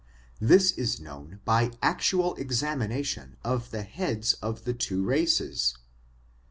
This is known by actual examina , tions of the heads of the two races.